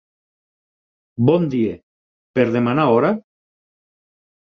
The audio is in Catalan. Bon dia. Per demanar hora?